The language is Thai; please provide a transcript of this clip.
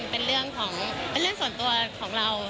เป็นเรื่องส่วนตัวของเรา